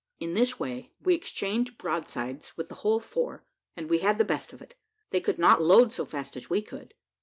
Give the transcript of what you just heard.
In this way we exchanged broadsides with the whole four, and we had the best of it, they could not load so fast as we could.